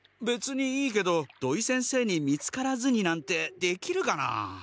べつにいいけど土井先生に見つからずになんてできるかな？